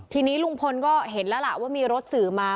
ทีนี้ลุงพลก็เห็นแล้วล่ะว่ามีรถสื่อมา